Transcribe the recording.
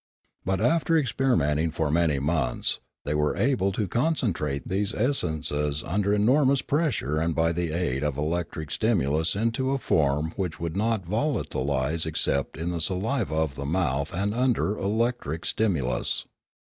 But after experimenting for many months, they were able to con centrate these essences under enormous pressure and by the aid of electric stimulus into a form which would not volatilise except in the saliva of the mouth and under electric stimulus.